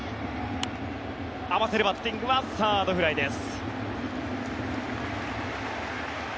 合わせるバッティングはサードフライです。